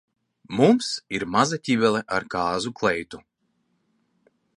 Mums ir maza ķibele ar kāzu kleitu.